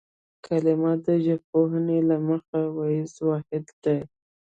کلمه د ژبپوهنې له مخې وییز واحد دی